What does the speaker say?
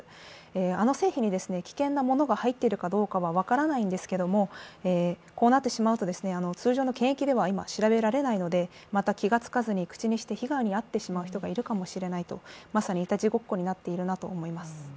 あの製品に危険なものが入っているかどうかは分からないんですけれどもこうなってしまうと通常の検疫では今、調べられないのでまた気がつかずに口にして被害に遭ってしまう人がいるかもしれないと、まさにイタチごっこになっているなと思います。